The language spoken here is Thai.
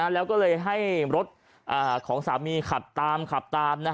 แล้วก็เลยให้รถของสามีขับตามขับตาม